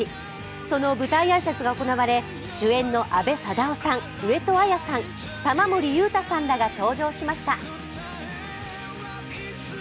その舞台挨拶が行われ主演の阿部サダヲさん、上戸彩さん、玉森裕太さんらが登場しました。